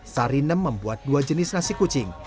sari neng membuat dua jenis nasi kucing